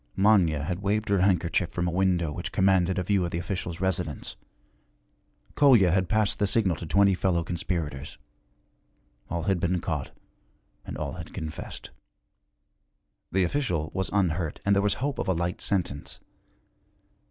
Manya had waved her handkerchief from a window which commanded a view of the official's residence; Kolya had passed the signal to twenty fellow conspirators. All had been caught and all had confessed. The official was unhurt and there was hope of a light sentence.